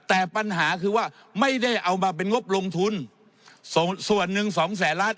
แต่ปัญหาคือว่าไม่ได้เอามาเป็นงบลงทุนส่วนหนึ่งสองแสนล้าน